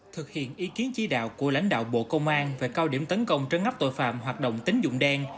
thực hiện ý kiến chỉ đạo của lãnh đạo bộ công an về cao điểm tấn công trấn ngắp tội phạm hoạt động tính dụng đen